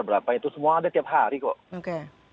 berapa itu semua ada tiap hari kok